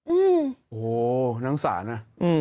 อุ้โอ้โฮวน้องศานะ